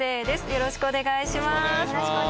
よろしくお願いします。